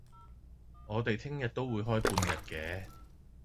我哋聽日都會開半日嘅